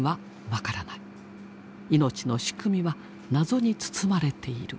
命の仕組みは謎に包まれている。